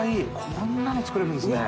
こんなの作れるんですね。